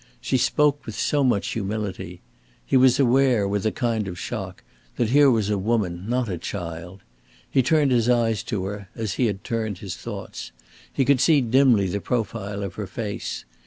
She spoke with so much humility. He was aware with a kind of shock, that here was a woman, not a child. He turned his eyes to her, as he had turned his thoughts. He could see dimly the profile of her face.